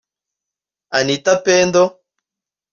Anitha Pendo